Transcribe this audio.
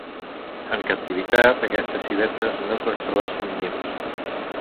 En captivitat, aquestes civetes no construeixen nius.